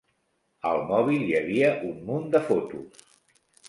Al mòbil hi havia un munt de fotos.